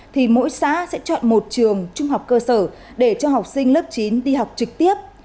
thì mỗi xã sẽ chọn một trường trung học cơ sở để cho học sinh lớp chín đi học trực tiếp